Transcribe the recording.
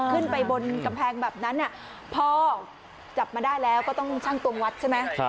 ขึ้นไปบนกำแพงแบบนั้นพอจับมาได้แล้วก็ต้องชั่งตรงวัดใช่ไหม